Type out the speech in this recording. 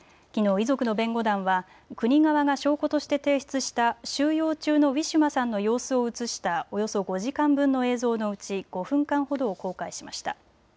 遺族の弁護団は国側が証拠として提出した収容中のウィシュマさんの様子を写したおよそ５時間分の映像のうち５分間ほどを公開しました。